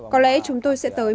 có lẽ chúng tôi sẽ tới